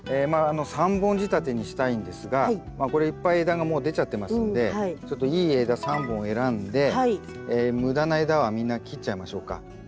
３本仕立てにしたいんですがこれいっぱい枝がもう出ちゃってますんでちょっといい枝３本選んで無駄な枝はみんな切っちゃいましょうか。